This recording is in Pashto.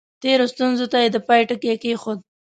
تېرو ستونزو ته یې د پای ټکی کېښود.